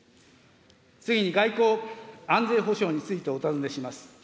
次に外交・安全保障についてお尋ねします。